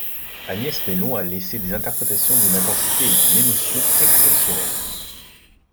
Agnès Mellon a laissé des interprétations d'une intensité et d'une émotion exceptionnelles.